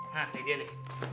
nah ini dia nih